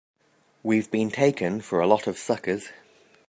We've been taken for a lot of suckers!